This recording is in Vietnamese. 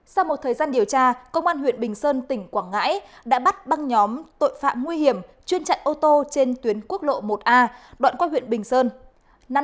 sau một thời gian điều tra công an huyện bình sơn tỉnh quảng ngãi đã bắt băng nhóm tội phạm nguy hiểm chuyên chặn ô tô trên tuyến quốc lộ một a đoạn qua huyện bình sơn